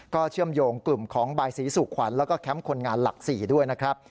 เชื่อมโยงกลุ่มของบายศรีสุขวัญแล้วก็แคมป์คนงานหลัก๔ด้วยนะครับ